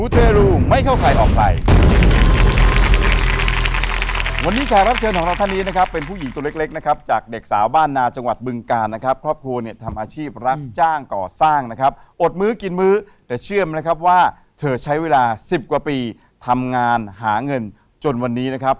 เธอใช้เวลา๑๐กว่าปีทำงานหาเงินจนวันนี้นะครับ